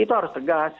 itu harus tegas